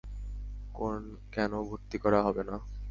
কেনো ভর্তি করা হবে না?